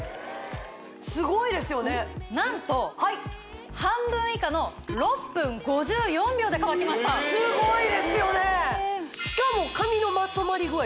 すごいですよねなんと半分以下の６分５４秒で乾きましたすごいですよねしかも髪のまとまり具合